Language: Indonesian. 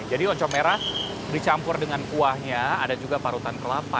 jadi oncom merah dicampur dengan kuahnya ada juga parutan kelapa